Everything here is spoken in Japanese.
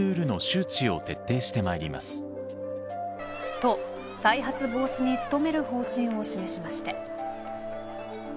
と、再発防止に努める方針を示しました。